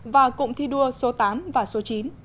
và cụm thi đua số tám và số chín